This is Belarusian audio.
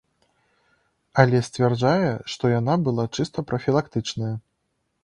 Але сцвярджае, што яна была чыста прафілактычная.